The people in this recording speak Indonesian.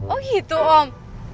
oh gitu om